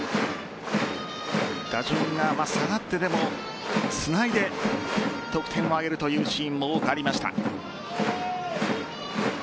打順が下がってでもつないで得点を挙げるというシーンも多くありました。